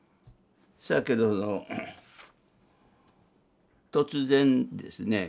そやけど突然ですね